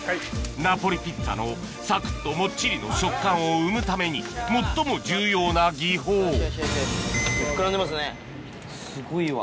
ナポリピザのサクっともっちりの食感を生むために最も重要な技法すごいわ。